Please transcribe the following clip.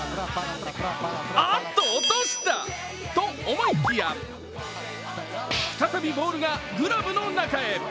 あっと、落としたと思いきや再びボールがグラブの中へ。